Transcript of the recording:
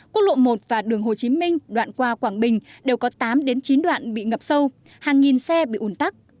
quốc lộ một và đường hồ chí minh đoạn qua quảng bình đều có tám đến chín đoạn bị ngập sâu hàng nghìn xe bị ủn tắc